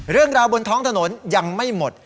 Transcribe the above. เรื่องราวบนท้องถนนยังไม่หมด